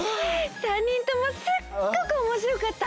３人ともすっごくおもしろかった！